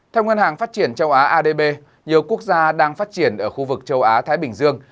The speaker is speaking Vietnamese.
theo ngân hàng phát triển châu á adb nhiều quốc gia đang phát triển ở khu vực châu á thái bình dương